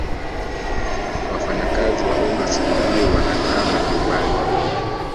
wafanyakazi wa umma siku hiyo wanakaa majumbani